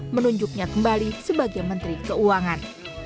menunjuknya kembali sebagai menteri keuangan